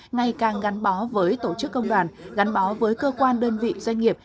ngày càng gắn bó với tổ chức công đoàn gắn bó với cơ quan đơn vị doanh nghiệp